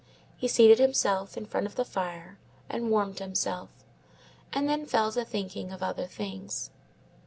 He seated himself in front of the fire, and warmed himself, and then fell to thinking of other things.